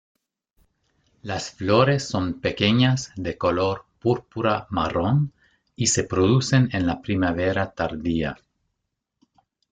Las flores son pequeñas de color púrpura-marrón y se producen en la primavera tardía.